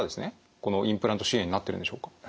このインプラント周囲炎になっているんでしょうか。